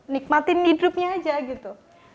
nikmatin hidupnya aja gitu